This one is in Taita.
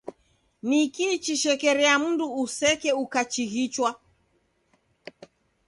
Nikii chishekeriagha mndu useke ukachighichwa?